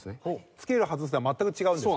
付ける外すでは全く違うんですか。